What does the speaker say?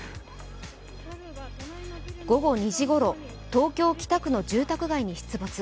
午後２時頃、東京・北区の住宅街に出没。